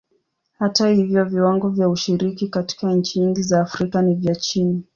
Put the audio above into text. Hata hivyo, viwango vya ushiriki katika nchi nyingi za Afrika ni vya chini.